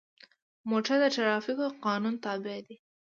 موټر د ټرافیکو قانون تابع دی.